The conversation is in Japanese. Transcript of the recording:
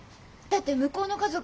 だって向こうの家族